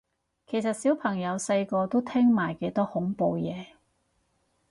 其實小朋友細個都聽埋幾多恐怖嘢